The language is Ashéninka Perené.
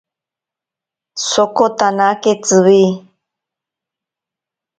Sokotanake Tsiwi.